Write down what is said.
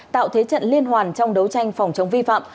tạo thế trận liên hoàn trong đấu tranh phòng chống vi phạm